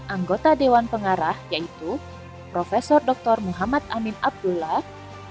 anggota dewan pengarah yaitu prof dr muhammad amin abdullah